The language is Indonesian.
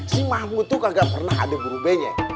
si mahmud tuh nggak pernah ada berubahnya